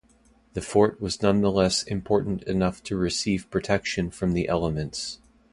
The fort was nonetheless important enough to receive protection from the elements.